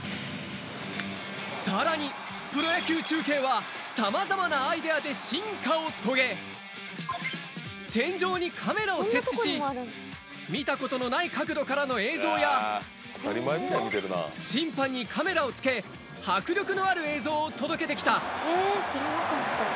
さらにプロ野球中継はさまざまなアイデアで進化を遂げ、天井にカメラを設置し、見たことのない角度からの映像や、審判にカメラをつけ、迫力のある映像を届けてきた。